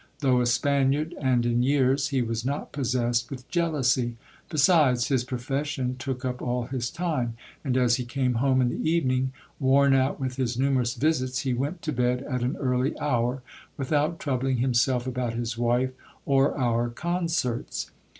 Though a Spaniard and in years, he was not possessed with jealousy ; besides, his profession took up all his time ; and as he came home in the evening, worn out with his numerous visits, he went to bed at an early hour, without troubling himself about his wife or our concerts.